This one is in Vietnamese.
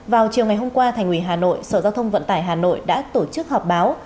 vào chiều ngày hôm qua thành ủy hà nội sở giao thông vận tải hà nội đã tổ chức họp báo